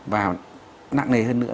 và nặng nề hơn nữa